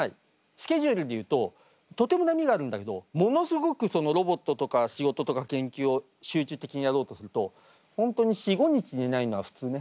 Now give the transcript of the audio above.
スケジュールでいうととても波があるんだけどものすごくロボットとか仕事とか研究を集中的にやろうとすると本当に４５日寝ないのは普通ね。